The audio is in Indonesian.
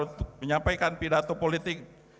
untuk menyampaikan pidato politik